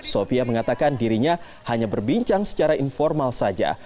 sofia mengatakan dirinya hanya berbincang secara informal saja